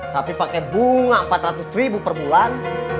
tapi pakai bunga empat ratus ribu per bulan